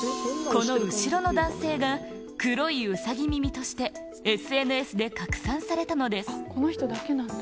この後ろの男性が、黒いウサギ耳として、ＳＮＳで拡散されたのです。